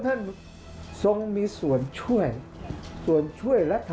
ภาคอีสานแห้งแรง